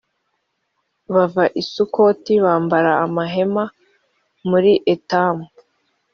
bava i sukoti babamba amahema muri etamu